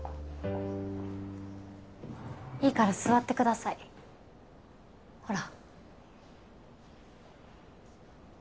いいから座ってくださいほら。